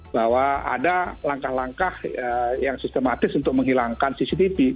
bahwa ada langkah langkah yang sistematis untuk menghilangkan cctv